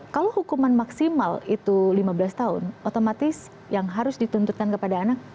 kalau hukuman maksimal itu lima belas tahun otomatis yang harus dituntutkan kepada anak